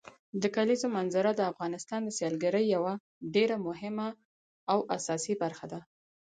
د کلیزو منظره د افغانستان د سیلګرۍ یوه ډېره مهمه او اساسي برخه ده.